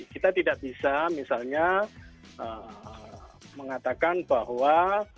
kita tidak bisa misalnya mengatakan bahwa